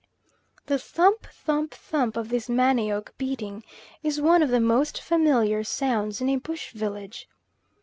The thump, thump, thump of this manioc beating is one of the most familiar sounds in a bush village.